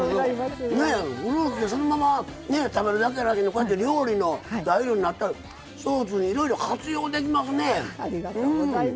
フルーツそのまま食べるだけやなしにこうやって料理の材料になったらフルーツもいろいろ活用できますね。